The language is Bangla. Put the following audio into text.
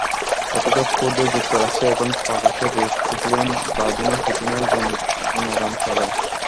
অথচ খোদ যুক্তরাষ্ট্রেই এখন প্রকাশ্যে রুশ প্রেসিডেন্ট ভ্লাদিমির পুতিনের গুণগান চলে।